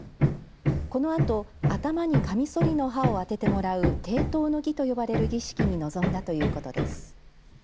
このあと、頭にかみそりの刃を当ててもらう剃刀の儀と呼ばれる儀式に臨んだということです。